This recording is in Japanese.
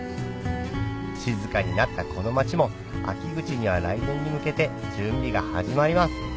静かになったこの町も秋口には来年に向けて準備が始まります